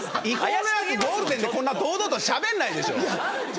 ゴールデンでこんな堂々としゃべんないでしょ。